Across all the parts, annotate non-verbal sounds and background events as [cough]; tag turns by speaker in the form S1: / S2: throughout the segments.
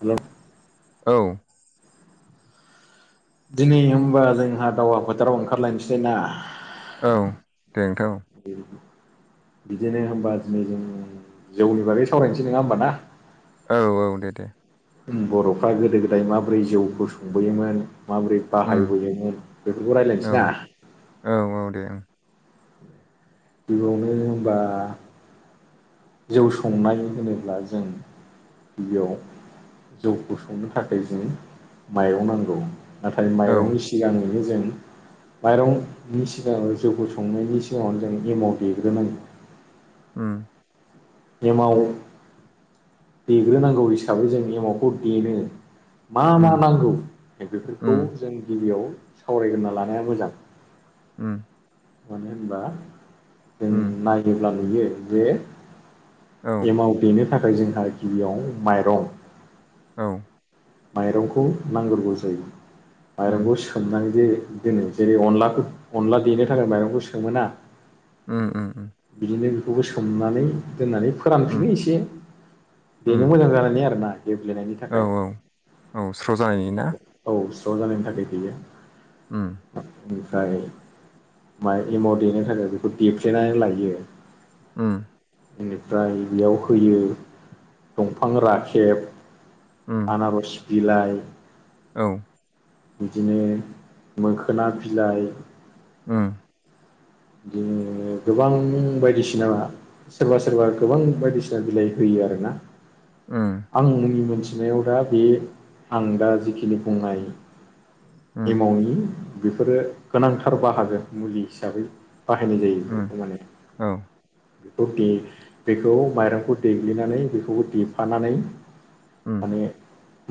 S1: हेल'
S2: औ
S1: दिनै होनबा जोंहा दावहा फोथाराव ओंखारलायनोसै ना?
S2: औ दे नोंथां
S1: उम बिदिनो होनबा दिनै जों जौनि बागै सावरायनोसै नङा होमबा ना
S2: औ औ दे दे
S1: बर'फ्रा गोदो गोदाय माबोरै जौखौ संबोयोमोन। माबोरै
S2: उम
S1: बाहायबोयोमोन बेफोरखौ
S2: औ
S1: रायज्लायनोसै ना?
S2: औ औ दे ओं
S1: गिबियावनो होनबा जौ संनाय होनोब्ला जों बेयाव जौखौ संनो थाखाय जों माइरं नांगौ नाथाय
S2: औ
S1: माइरंनि सिगाङैनो जों [inaudible] माइरंनि सिगाङाव जौखौ संनायनि सिगाङावनो जों एमाव देग्रोनांगौ
S2: ओम
S1: एमाव देग्रोनांगौ हिसाबै जों एमावखौ देनो मा मा
S2: उम
S1: नांगौ बेफोरखौ
S2: उम
S1: जों गिबियाव सावरायग्रोना लानाया मोजां
S2: [inaudible]
S1: मानो होनबा जों
S2: उम
S1: नायोब्ला नुयो जे
S2: औ
S1: एमाव देनो थाखाय जोंहा गिबियाव माइरं
S2: औ
S1: माइरंखौ नांग्रोगौ जायो
S2: उम
S1: माइरंखौ सोमनानै जे दोनो जेरै अनलाखौ अनला देनो थाखाय माइरंखौ सोमोना
S2: ओ ओ
S1: बिदिनो बेखौबो सोमनानै दोननानै
S2: उम
S1: फोरानफिनो एसे
S2: उम
S1: बेनो मोजां जानायनि आरोना गेब्लेनायनि
S2: औ
S1: थाखाय
S2: औ स्र' जानायनि ना।
S1: औ स्र' जानायनि थाखाय
S2: उम ।
S1: ओमफ्राय माइ एमाव देनो थाखाय बेखौ देफ्लेनानै लायो
S2: उम ।
S1: बेनिफ्राय बेयाव होयो दंफां राखेब
S2: उम
S1: आनारस बिलाइ
S2: औ ।
S1: बिदिनो मोखोना बिलाइ
S2: उम ।
S1: बिदि गोबां बायदिसिना सोरबा सोरबा गोबां बायदिसिना बिलाइ होयो आरोना
S2: उम
S1: आंनि मोनसे बिनायाव दा बे आं दा जिखिनि बुंनाय
S2: उम
S1: एमावनि बेफोरो गोनांथार बाहागो मुलि हिसाबै बाहायनाय जायो
S2: उम
S1: बेफोरखौ माने
S2: औ
S1: बेखौ दे बेखौ माइरंखौ देग्लिनानै बेखौ देफानानै
S2: उम
S1: माने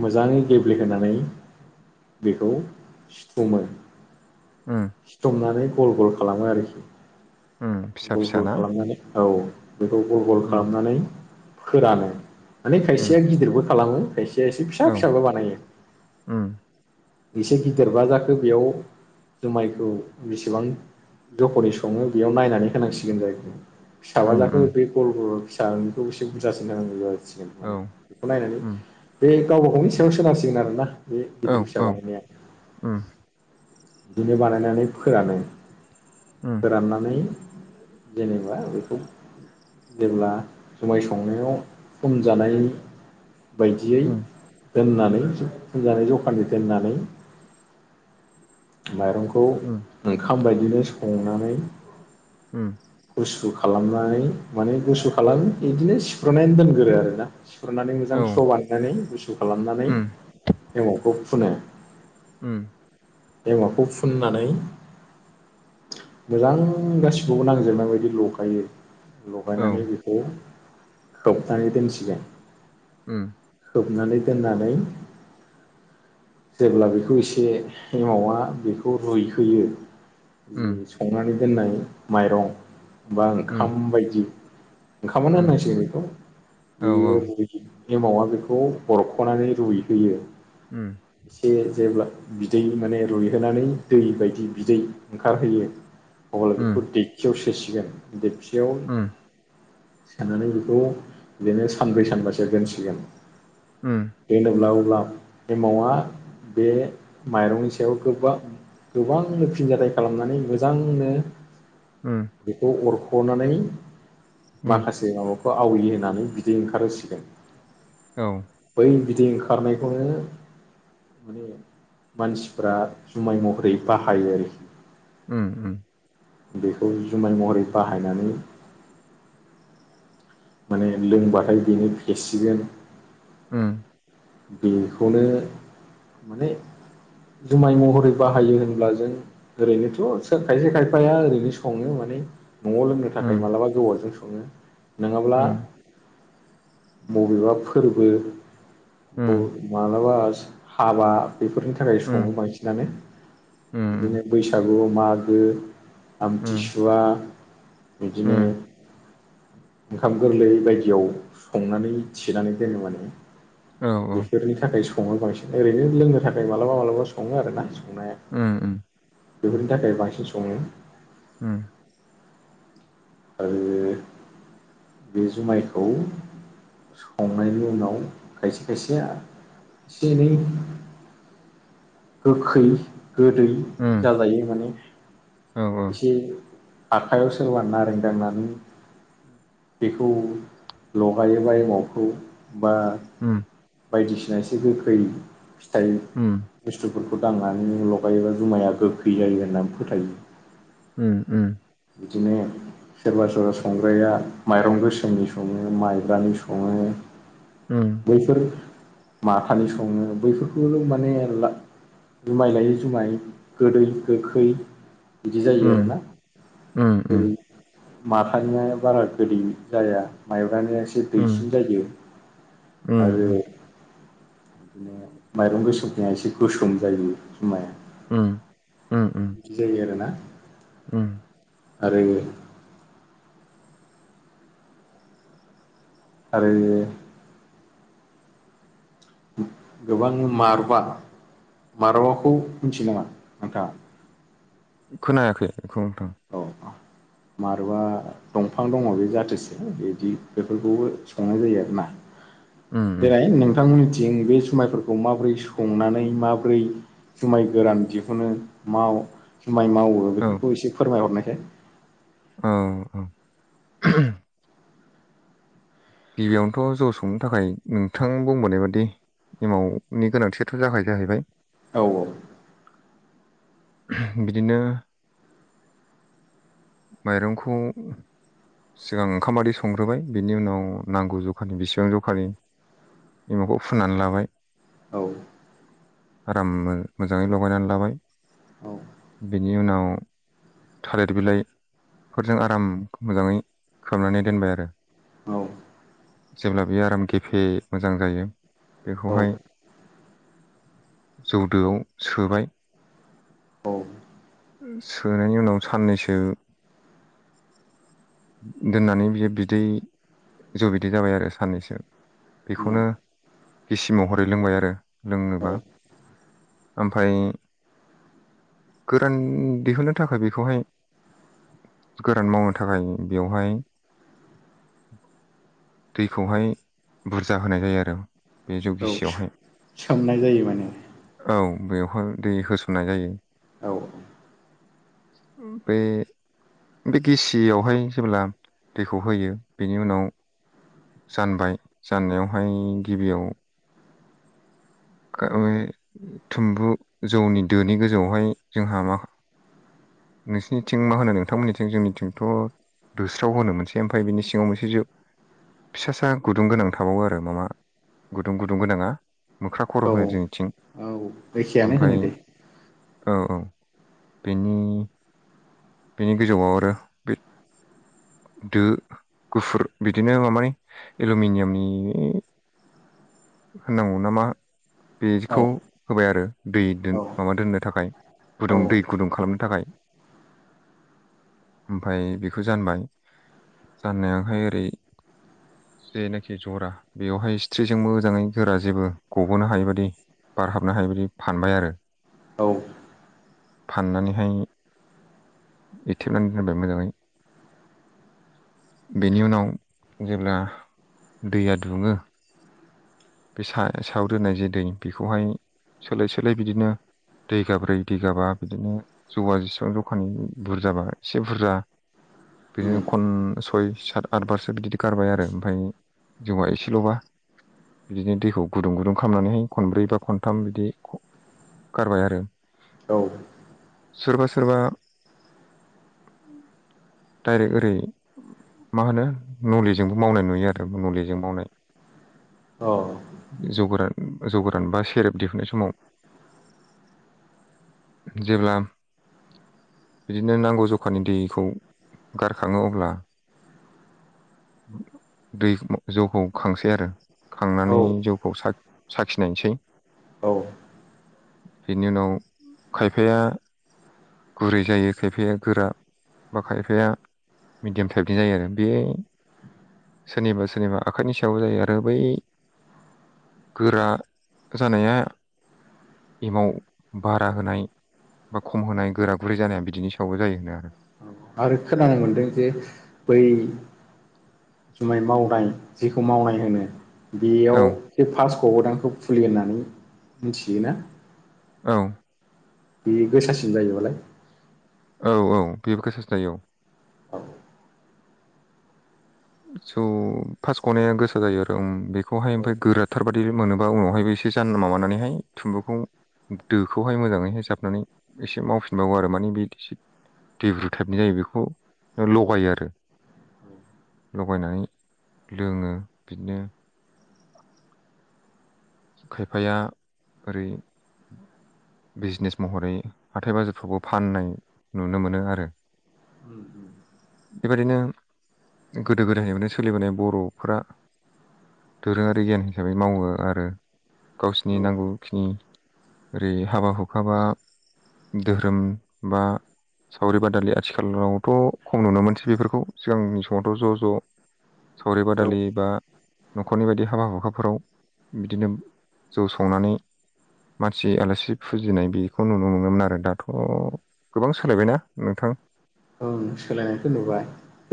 S1: मोजाङै गेब्लेहोनानै बेखौ सिफुमो
S2: उम
S1: सिथमनानै गल गल खालामो आरोखि
S2: उम फिसा
S1: गल
S2: फिसा
S1: गल
S2: ना
S1: खालामनानै औ बेखौ गल गल
S2: उम
S1: खालामनानै फोरानो माने
S2: उम
S1: खायसेया गिदिरबो खालामो खायसे इसे फिसा
S2: औ
S1: फिसाबो बानायायो
S2: उम
S1: एसे गिदिरबा जाखो बेयाव जुमायखौ बेसेबां जखै सङो बेयाव नायनानै होनांसिगोन जहैबाय फिसाबा
S2: उम
S1: जाखो
S2: उम
S1: बे गल गल सखौ एसे बुरजासिन होनांगौ जासिगोन
S2: औ
S1: माने बेखौ नायनानै
S2: उम
S1: बे गावबा गावनि साव सोनांसिगोन आरोना बे
S2: औ
S1: गिदिर फिसा
S2: औ
S1: बानायनाया
S2: उम
S1: बिदिनो बानायनानै फोरानो
S2: उम
S1: फोराननानै जेनेबा बेखौ जेब्ला जुमाय संनायाव सम जानाय बायदियै
S2: उम
S1: दोननानै फजनानै जखानि दोननानै माइरं खौ ओंखाम बायदिनो संनानै
S2: उम ।
S1: गुसु खालामनानै माने गुसु खालाम बिदिनो सिफ्र्र'नानै दोनग्रो आरो ना खुरनानै मोजां
S2: औ
S1: स्र' बानायनानै गुसु खालामनानै
S2: उम
S1: हमावखौ फुनो
S2: उम ।
S1: एमाखौ फुननानै मोजां गासिबो नांजोबनाय बायदि लगायो
S2: औ
S1: लगायनानै बेखौ हबनानै दोनसिगोन
S2: उम ।
S1: खोबनानै दोननानै जेब्ला बेखौ एसे ए मावावा बेखौ रुयहोयो जि
S2: उम
S1: संनानै दोननाय माइरं बा
S2: उम
S1: ओंखाम बायदि ओंखामानो
S2: उम
S1: होननांसै बेखौ
S2: औ औ
S1: बेयोदि एमावा बेखौ बरख'नानै रुइहोयो
S2: उम
S1: एसे जेब्ला बिदै माने रुइहोनानै दै बायदि बिदै ओंखारहोयो अब्ला
S2: उम
S1: बेखौ दखियाव सोसिगोन दिखियाव
S2: उम
S1: सोनानै बेखौ बिदिनो सानब्रै सानबासो दोनसिगोन
S2: उम
S1: बेनि उनाव अब्ला एमाउन्टआ बे माइरंनि सायाव गोबां गोबांनो फिनजानाय खालामनानै मोजांनो
S2: उम
S1: बेखौ अरख'नानै माखासे माबाखौ आवलि होननानै बिदै ओंखारहोसिगोन
S2: औ
S1: बै बि दै ओंखारनायखौनो माने मानसिफ्रा जुमाय महरै बाहायो आरोखि
S2: उम उम
S1: बेखौ जुमाय महरै बाहायनानै माने लोंबाथाय बेनो फेसिगोन
S2: उम
S1: बेखौनो माने जुमाय महरै बाहायो होनब्ला जों ओरैनोथ खायसे खायफाया ओरैनो सङो माने न'आव लोंनो थाखाय
S2: उम
S1: मालाबा गोवावजों सङो नङाब्ला
S2: उम
S1: बबेबा फोरबो
S2: उम उम
S1: बबे माब्लाबा सा हाबा बेफोरनि थाखाय सङो बांसिनानो
S2: उम उम
S1: बिदिनो बैसागु मागो
S2: उम
S1: आमथिसुवा बिदिनो ओंखाम गोरलै बायदियाव संनानै थिनानै दोनो माने
S2: औ औ
S1: बेफोरनि थाखाय सङो बांसिन ओरैनो लोंनो थाखाय मालाबा मालाबा सङो आरोना संनाया
S2: उम उम
S1: बेफोरनि थाखाय बांसिन सङो
S2: उमह
S1: आरो बे जुमायखौ संनायनि उनाव खायसे खायसे एसे एनै गोखै गोदै
S2: उम
S1: जाजायो माने
S2: उम औ उम उम
S1: एसे आखाइयाव सोरबा नारें दांनानै बेखौ लगायोबा एमावखौ बा
S2: उम उम उम
S1: बायदिसिना एसे गोखै फिथाइ
S2: उम उम
S1: बुस्थुफोरखौ दांनानै नों लगायोबा जुमाया गोखै जायो होननानै फोथायो
S2: उम उम।
S1: बिदिनो सोरबा सोरबा संग्राया माइरं गोसोमनि सङो माइब्रानि सङो बैफोर माथानि सङो बैफोरखौ माने ला जुमाय लायै जुमाय गोदै गोखै बिदि जायो आरोना
S2: उम उम
S1: जेरै माथानिया बारा गोदै जाया माइब्रा निया एसे दैसिन जायो आरो बिदिनो माइरं गोसोमनिया एसे गोसोम जायो माया
S2: उम उम उम
S1: बिदि जायो आरो ना
S2: उम।
S1: आरो आरो गोबां मारबा मारवाखौ मिथियो नामा नोंथाङा
S2: खोनायाखै
S1: औ मारबा दंफां दङ बे जाथोसो बिदि बेफोरखौबो संनाय जायो आरोना
S2: उम उम
S1: देनाय नोंथांमोननिथिं बे जुमायफोरखौ माबोरै संनानै माबोरै जुमाय गोरान दिहुनो माव जुमाइ मावो बेफोरखौ एसे फोरमायहरनायसाय
S2: औ औ। गिबियावनोथ' जौ संनो थाखाय नोंथां बुंबोनाय बादि एमावनि गोनांथियाथ' जाखायो जाहैबाय
S1: औ औ।
S2: बिदिनो माइरंखौ सिगां ओंखाम बै संग्रोबाय बिनि उनाव नांगौ जखानि बेसेबां जखानि बिमाखौ फुनानै लाबाय
S1: औ।
S2: आराम मोजाङै लगायनानै लाबाय बेनि उनाव थालिर बिलाइफोरजों आराम मोजाङै खोबनानै दोनबाय आरो।
S1: औ
S2: जेब्ला बे आराम गेफे मोजां जायो
S1: औ
S2: बेखौहाय। जौदोआव सोबाय
S1: औ
S2: सो नायनि उनाव साननैसो दोननानै बियो बिदै जौ बिदै जाबाय आरो साननैसो
S1: उम
S2: बेखौनो गिसि महरै लोंबाय आरो लोंनोबा
S1: औ
S2: ओमफाय। गोरान दिहुनो बखाय बेखौहाय गोरान मावनो थाखाय बेवहाय। दैखौहाय बुरजा होनाय जायो आरो। बे जौ
S1: औ
S2: गिसियावहाय
S1: सोमनाय जायो माने।
S2: औ बेवहाय दै होसननाय जायो।
S1: औ
S2: ओम बे बे गेसियावहाय जेब्ला दैखौ होयो बेनि उनाव। जानबाय जाननायावहाय गिबियाव। [unintelligible] थुम्बु जौनि दोनि गोजौआवहाय जोंहा मा। नोंसिनिथिं मा होनो नोंथांमोननिथिं जोंनिथिंथ' दोस्राव होनो मोनसे ओमफ्राय बिनि सिङाव मोनसे जो फिसा सा गुदुं गोनां थाबावो आरो माबा गुदुं गुदुं गोनाङा। मोख्रा खर'
S1: औ
S2: होनो जोंनिथिं
S1: औ एखेयानो
S2: ओमफ्राय
S1: होनो दे
S2: औ औ। बेनि बेनि गोजौआव आरो बे दो गुफुर बिदिनो मामानि एलुमिनियामनि होननांगौ नामा
S1: औ
S2: बेखौ होबाय आरो दै
S1: औ
S2: माबा दोननो थाखाय।
S1: औ
S2: गुदुं दै गुदुं खालामनो थाखाय।
S1: [inaudible]
S2: ओमफाय बेखौ जानबाय जाननायावहाय ओरै। जेनाखि जरा बेवहाय सिथ्रिजों मो जाङै गोरा जेबो गबोनो हायि बायदि बार हाबनो हायि बायदि फानबाय आरो।
S1: औ
S2: फाननानैहाय एथेबनानै दोनबाय मोजाङै बेनि उनाव जेब्ला दैया दुङो। बे सा सायाव दोननाय जे दै बेखौहाय सोलाय सोलाय बिदिनो दै गाब्रै दै गाबा बिदिनो जौआ जेसेबां जौखानि बुरजाबा एसे बुरजा बिदिनो
S1: उम
S2: खन सय सात आतबारसो बिदि गारबाय आरो ओमफ्राय जौवा एसेल'बा बिदिनो दैखौ गुदुं गुदुं खालामनानैहाय खनब्रै बा खनथाम बिदि गारबाय आरो।
S1: औ
S2: सोरबा सोरबा डाइरेक्ट ओरै मा होनो नलिजोंबो मावनाय नुयो आरो नलिजों मावनाय
S1: औ
S2: जौ गोरान जौ गोरान बा सेरेब दिहुननाय समाव । जेब्ला बिदिनो नांगौ जखानि दैखौ गारखाङो अब्ला दै जौखौ खांसै आरो। खांनानै
S1: औ
S2: जौखौ साखिनायसै
S1: औ
S2: बेनि उनाव खायफाया गुरै जायो खायफाया गोरा बा खायफाया मिडियाम टाइपनि जायो आरो बे सोरनिबा सोरनिबा आखाइनि सायाव जायो आरो बै गोरा जानाया एमाव बारा होनाय बा खम होनाय गोरा गुरै जानाया बिदिनि सावबो जायो होनो आरो
S1: आरो खोनानो मोनदों जे बै जुमाय मावनाय जेखौ मावनाय होनो बेयाव
S2: आरो
S1: बे फास ग'गदानखौ फुलि होननानै मिथियोना
S2: औ
S1: बे गोसासिन जायोबालाय
S2: औ औ बेबो गोसासिन जायो औ
S1: औ
S2: स' फास्ट गनाया गोसा जायो आरो बेखौहाय ओमफ्राय गोराथार बाददि मोनोबा उनावहाय बेसे [unintelligible] माबानानैहाय थुम्बुखौ दोखौहाय मोजाङै होसाबनानै एसे मावफिनबावो आरो माने बे देब्रु टाइपनि जायो बेखौ लगायो आरो
S1: [inaudible]
S2: लगायनानै लोङो बिदिनो खायफाया ओरै बिजनेस महरै हाथाइ बाजारफ्रावबो फाननाय नुनो मोनो आरो बेबायदिनो गोदो गोदायनिफ्रायनो सोलिबोनाय बर'फोरा दोरोङारि गियान हिसाबै मावो आरो गावसिनि
S1: औ
S2: नांगौखिनि ओरै हाबा हुखाबा धोरोम बा सावरि बादालि आथिखालावथ' खम नुनो मोनसै बेफोरखौ सिगांनि समावथ' ज' ज' सावरि
S1: औ
S2: बादालि बा न'खरनि बायदि हाबा हुखाफोराव बिदिनो जौ संनानै मानसि आलासि फुजिनाय बेखौ नुनो मोनोमोन आरो दाथ' गोबां सोलायबायना नोंथां
S1: ओं सोलायनायखौ नुबाय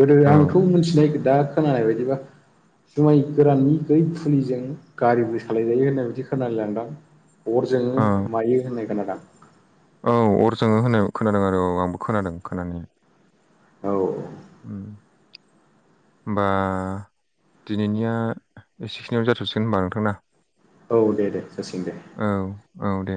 S1: गोदो
S2: औ
S1: आंथ' मिथिनोय दा खोनानाय बायदिबा जुमाय गोराननि बै फुलिजों गारिबो सालायजायो होनना बिदि खोनाय लांदां
S2: ओ
S1: अरजों मायो होननाय खोनादोआं
S2: औ अरजोङो होनाय खोनादों आरो औ आंबो खोनादों खोनानाय
S1: औ
S2: होमबा दिनैनिया एसेखिनियाव जाथ'सिगोन होनबा नोंथांना
S1: औ दे दे जासिगोन दे
S2: औ औ दे